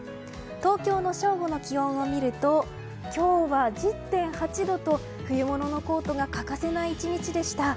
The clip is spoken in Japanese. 東京の正午の気温を見ると今日は１０．８度と冬物のコートが欠かせない１日でした。